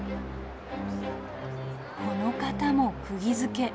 この方も釘づけ。